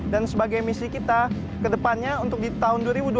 dan sebagai misi kita ke depannya untuk di tahun dua ribu dua puluh lima